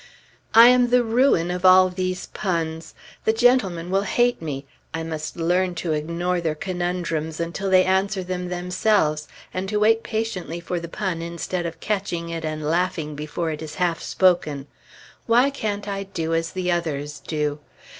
I am the ruin of all these puns; the gentlemen will hate me; I must learn to ignore their conundrums until they answer them themselves, and to wait patiently for the pun instead of catching it and laughing before it is half spoken. Why can't I do as the others do?